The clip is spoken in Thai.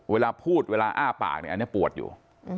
เวลาพูดเวลาอ้าปากเนี่ยอันนี้ปวดอยู่